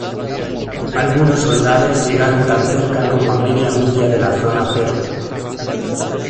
Algunos soldados llegaron tan cerca como a media milla de la zona cero.